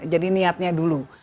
jadi niatnya dulu